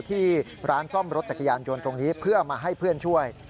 ที่ร้านซ่อมรถจักรยานยนต์ตรงนี้เพื่อมาให้เพื่อนช่วย